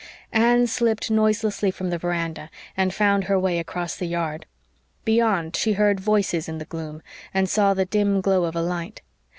Anne slipped noiselessly from the veranda and found her way across the yard. Beyond, she heard voices in the gloom and saw the dim glow of a light.